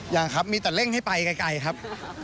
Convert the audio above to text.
ยังครับมีแต่เร่งให้ไปไกลครับ